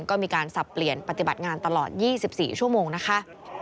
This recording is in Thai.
ก็มีการสับเปลี่ยนปฏิบัติงานตลอด๒๔ชั่วโมงนะคะ